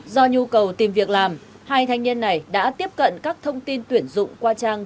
do nhu cầu tìm việc làm hai thanh niên này đã tiếp cận các thông tin tuyển dụng qua trang